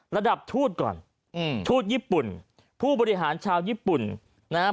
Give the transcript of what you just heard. ระดับทูตก่อนอืมทูตญี่ปุ่นผู้บริหารชาวญี่ปุ่นนะฮะ